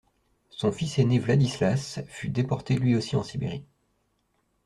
Son fils aîné Wladislas fut déporté lui aussi en Sibérie.